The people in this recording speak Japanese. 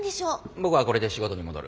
僕はこれで仕事に戻る。